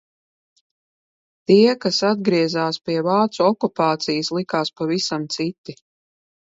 Tie kas atgriezās pie vācu okupācijas likās pavisam citi.